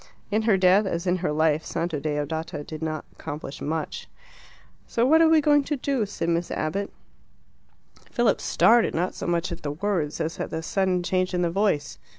In her death, as in her life, Santa Deodata did not accomplish much. "So what are you going to do?" said Miss Abbott. Philip started, not so much at the words as at the sudden change in the voice.